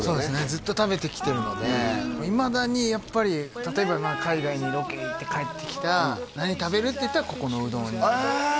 ずっと食べてきてるのでいまだにやっぱり例えば海外にロケ行って帰ってきた何食べる？っていったらここのうどんへえ